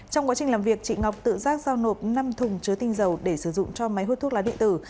trong quá trình làm việc chị ngọc tự giác giao nộp năm thùng chứa tinh dầu để sử dụng cho máy hút thuốc lá điện tử